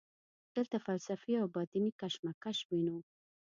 دلته فلسفي او باطني کشمکش وینو.